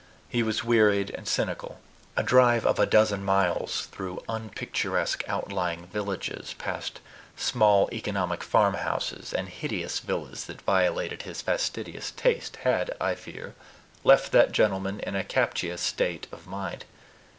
He was wearied and cynical. A drive of a dozen miles through unpicturesque outlying villages, past small economic farmhouses, and hideous villas that violated his fastidious taste, had, I fear, left that gentleman in a captious state of mind.